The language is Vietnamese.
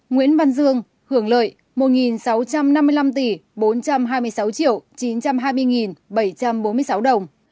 nguyễn văn dương hưởng lợi một sáu trăm năm mươi năm tỷ bốn trăm hai mươi sáu chín trăm hai mươi bảy trăm bốn mươi sáu đồng